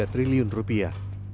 dua tiga triliun rupiah